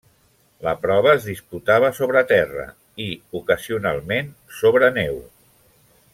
La prova es disputava sobre terra i, ocasionalment, sobre neu.